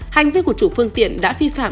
hành vi của chủ phương tiện đã phi phạm